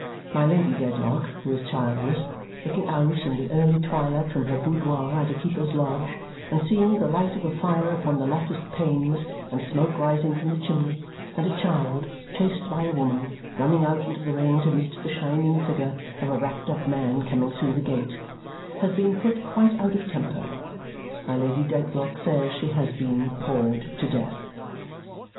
My Lady Dedlock (who is childless), looking out in the early twilight from her boudoir at a keeper's lodge and seeing the light of a fire upon the latticed panes, and smoke rising from the chimney, and a child, chased by a woman, running out into the rain to meet the shining figure of a wrapped up man coming through the gate, has been put quite out of temper. My Lady Dedlock says she has been "bored to death."